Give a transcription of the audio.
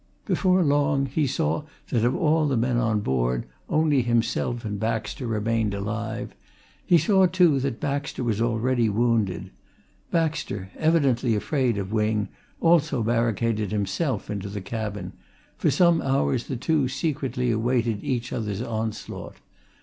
Before long he saw that of all the men on board, only himself and Baxter remained alive he saw, too, that Baxter was already wounded. Baxter, evidently afraid of Wing, also barricaded himself into the cabin; for some hours the two secretly awaited each other's onslaught.